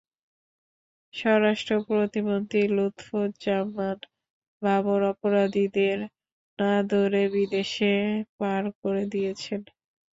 স্বরাষ্ট্র প্রতিমন্ত্রী লুৎফুজ্জামান বাবর অপরাধীদের না ধরে বিদেশে পার করে দিয়েছেন।